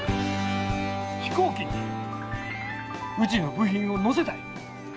飛行機にうちの部品を乗せたい。